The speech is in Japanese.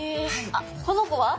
あっこの子は？